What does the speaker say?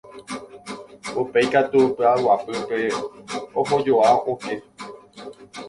Upéi katu py'aguapýpe ohojoa oke.